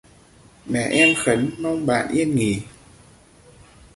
Mẹ em khấn mong bạn yên nghỉ